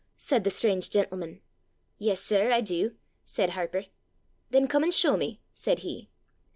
said the strange gentleman. 'Yes, sir, I do,' said Harper. 'Then come and show me,' said he.